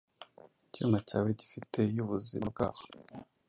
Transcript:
icyuma cyawe gifite y'ubuzima bwabo.